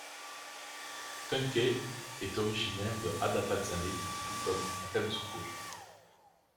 Tuncay est originaire de Adapazarı, tout comme Hakan Şükür.